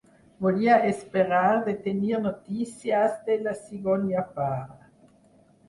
Volia esperar de tenir notícies de la cigonya pare.